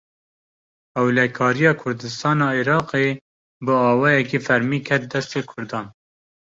Ewlekariya Kurdistana Iraqê, bi awayekî fermî ket destê Kurdan